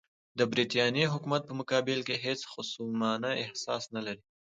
د برټانیې د حکومت په مقابل کې هېڅ خصمانه احساس نه لري.